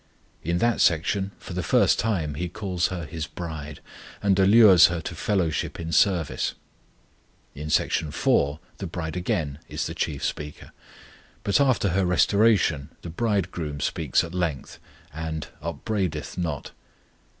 In that section for the first time He calls her His bride, and allures her to fellowship in service. In Section IV. the bride again is the chief speaker, but after her restoration the Bridegroom speaks at length, and "upbraideth not."